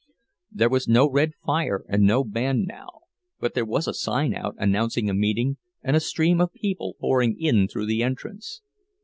There was no red fire and no band now, but there was a sign out, announcing a meeting, and a stream of people pouring in through the entrance.